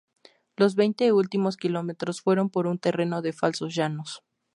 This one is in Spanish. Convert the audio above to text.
Los veinte últimos kilómetros fueron por un terreno de falsos-llanos.